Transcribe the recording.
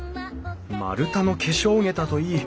丸太の化粧桁といい